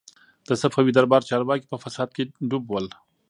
د صفوي دربار چارواکي په فساد کي ډوب ول.